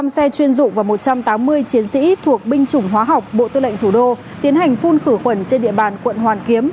một mươi xe chuyên dụng và một trăm tám mươi chiến sĩ thuộc binh chủng hóa học bộ tư lệnh thủ đô tiến hành phun khử khuẩn trên địa bàn quận hoàn kiếm